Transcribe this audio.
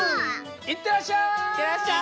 いってらっしゃい！